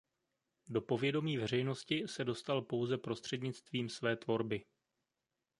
Do povědomí veřejnosti se dostal pouze prostřednictvím své tvorby.